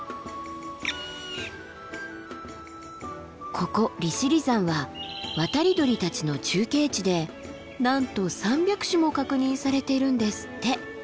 ここ利尻山は渡り鳥たちの中継地でなんと３００種も確認されているんですって。